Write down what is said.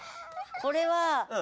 これは。